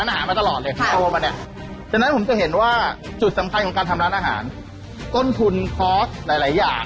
ชีวิตผมโตมากับพัฒนาคารโตกับร้านอาหารมาตลอดเลย